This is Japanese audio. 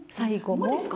もですか？